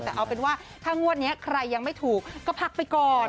แต่เอาเป็นว่าถ้างวดนี้ใครยังไม่ถูกก็พักไปก่อน